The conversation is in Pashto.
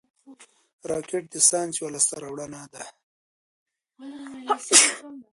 راکټ د ساینس یوه لاسته راوړنه ده